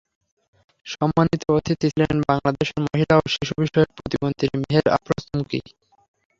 সম্মানিত অতিথি ছিলেন বাংলাদেশের মহিলা ও শিশুবিষয়ক প্রতিমন্ত্রী মেহের আফরোজ চুমকি।